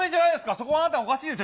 そこはあなたおかしいですよ